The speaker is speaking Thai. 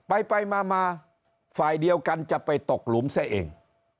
ไปไปมาฝ่ายเดียวกันจะไปตกหลุมซะเอง